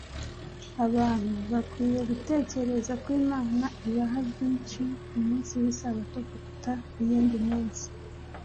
Abantu bakwinye gutegereza ko Imana ibaha byinshi ku munsi w'isabato kuruta iyindi minsi.